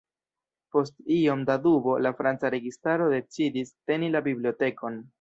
Post iom da dubo, la franca registaro decidis teni la bibliotekon.